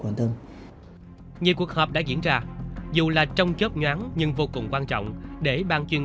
quan tâm như cuộc họp đã diễn ra dù là trong chớp nhoáng nhưng vô cùng quan trọng để ban chuyên